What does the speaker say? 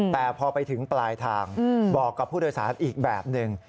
แต่พอไปถึงปลายทางบอกกับผู้โดยสารอีกแบบหนึ่ง